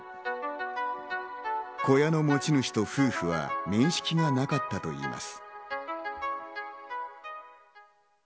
小屋の持ち主と夫婦は面識がなかったといいます。